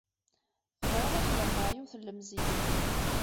Bɣiɣ ad k-ḍelbeɣ yiwet n lemzeyya.